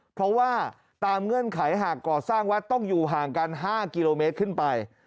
เพราะว่าตามเงื่อนไขหากก่อสร้างวัดต้องอยู่ห่างกัน๕กิโลเมตรขึ้นไป